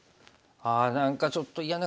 あ何かちょっと嫌な形に。